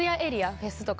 フェスとかの。